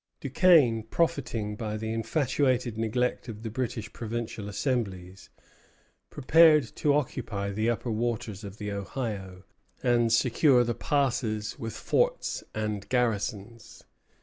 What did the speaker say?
Duquesne, profiting by the infatuated neglect of the British provincial assemblies, prepared to occupy the upper waters of the Ohio, and secure the passes with forts and garrisons.